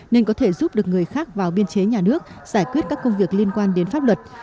nên có thể giúp được người khác vào biên chế nhà nước giải quyết các công việc liên quan đến pháp luật